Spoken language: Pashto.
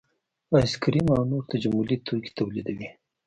ایس کریم او نور تجملي توکي تولیدوي